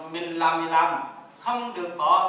mình làm gì làm không được bỏ cái nhạc cụ này